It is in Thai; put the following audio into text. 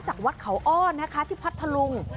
จากวัดเขาอ้อนะคะที่พัทธลุง